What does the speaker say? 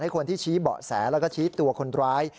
คนที่ชี้เบาะแสแล้วก็ชี้ตัวคนร้าย